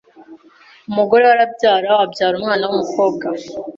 Umugore we arabyara abyara umwana w’umukobwa